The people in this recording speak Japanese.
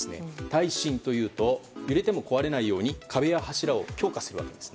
耐震というと揺れても壊れないように壁や柱を強化するわけです。